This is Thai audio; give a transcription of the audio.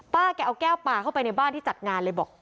แกเอาแก้วปลาเข้าไปในบ้านที่จัดงานเลยบอก